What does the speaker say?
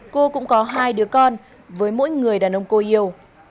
cô cũng có hai đứa con với mỗi người đàn ông cô yêu